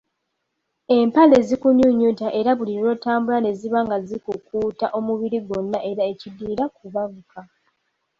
Empale zikunyunyunta era buli lwotambula ne ziba nga zikukuuta omubiri gwonna era ekiddirira kubabuka.